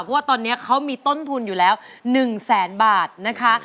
เพราะว่าตอนนี้เขามีต้นทุนอยู่แล้ว๑แสนบาทนะคะ